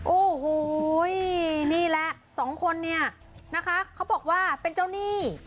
โอ้โหนี่แหละสองคนเนี่ยนะคะเขาบอกว่าเป็นเจ้าหนี้